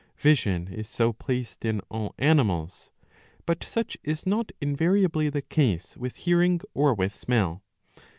Vision is so placed in all animals.^^ But such is not invariably the case with hearing or with smell.